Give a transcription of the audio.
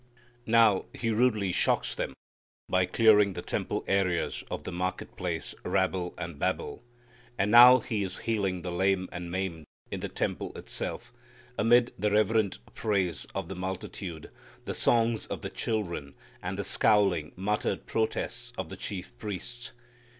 Now, He rudely shocks them by clearing the temple areas of the market place rabble and babble, and now He is healing the lame and maimed in the temple itself, amid the reverent praise of the multitude, the songs of the children, and the scowling, muttered protests of the chief priests.